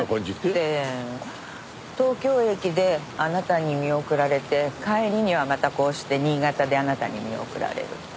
だって東京駅であなたに見送られて帰りにはまたこうして新潟であなたに見送られる。